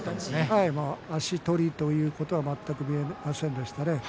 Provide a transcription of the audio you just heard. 足取りということは全く見えませんでしたね。